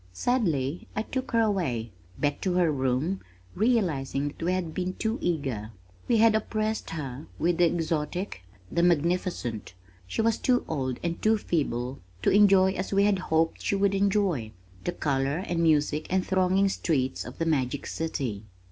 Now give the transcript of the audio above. Sadly I took her away, back to her room, realizing that we had been too eager. We had oppressed her with the exotic, the magnificent. She was too old and too feeble to enjoy as we had hoped she would enjoy, the color and music and thronging streets of The Magic City.